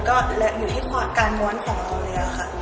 ก็ต้องอยู่ที่การม้วนของตัวเนื้อค่ะ